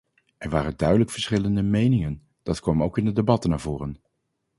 Er waren duidelijk verschillende meningen, dat kwam ook in de debatten naar voren.